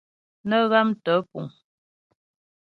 Nə́ ghámtə́ puŋ.